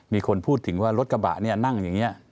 มีคนพูดถึงว่ารถกระบะนี่นั่งอย่างนี้